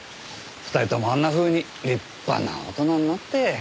２人ともあんなふうに立派な大人になって。